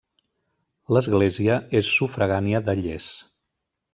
L'església és sufragània de Lles.